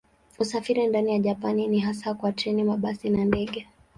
Usafiri ndani ya Japani ni hasa kwa treni, mabasi na ndege.